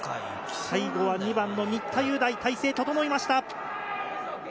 最後は２番の新田祐大、体勢、整いました。